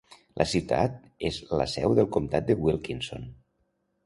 La ciutat és la seu del comtat de Wilkinson.